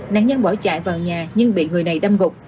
nạn nhân bỏ chạy vào nhà nhưng bị người này đâm gục